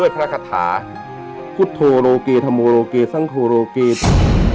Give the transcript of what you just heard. พุทธโทโลกีธรรมโลกีสังโทโลกี